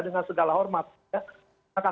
dengan segala hormat